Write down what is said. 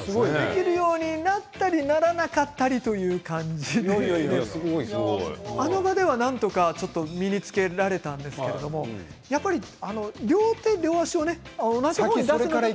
できるようになったりならなかったりという感じですけどあの場ではなんとか身につけられたんですけど両手、両足を同じ方向に出すというのはね